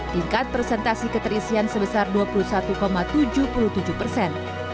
tingkat presentasi keterisian sebesar dua puluh satu tujuh puluh tujuh persen